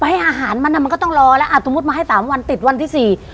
ให้อาหารมันอ่ะมันก็ต้องรอแล้วอ่ะสมมุติมาให้สามวันติดวันที่สี่